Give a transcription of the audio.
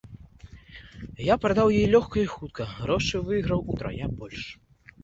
Я прадаў яе лёгка і хутка, грошай выйграў утрая больш.